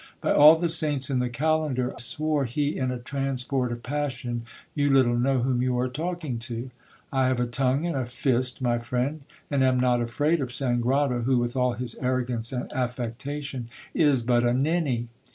By all the saints in the calendar ! swore he, in a transport of passion, you little know whom you are talking to. I have a tongue and a fist, my friend ; and am not afraid of Sangrado, who, with all his arrogance and affectation, is but a ninny.